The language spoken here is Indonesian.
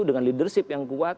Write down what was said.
dengan leadership yang kuat